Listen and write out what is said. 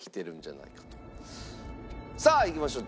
さあいきましょう。